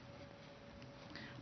akan tetap pada pembelaannya